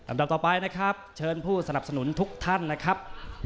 ดับต่อไปนะครับเชิญผู้สนับสนุนทุกท่านนะครับ